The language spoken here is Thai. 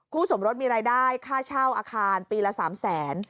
สมรสมีรายได้ค่าเช่าอาคารปีละ๓แสน